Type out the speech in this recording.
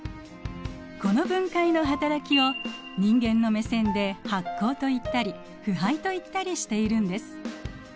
この分解の働きを人間の目線で発酵といったり腐敗といったりしているんです。